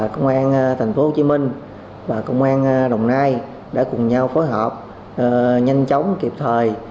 công an tp hcm và công an đồng nai đã cùng nhau phối hợp nhanh chóng kịp thời